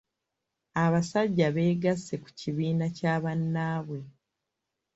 Abasajja beegasse ku kibiina kya bannaabwe.